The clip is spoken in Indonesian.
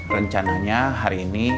rencananya hari ini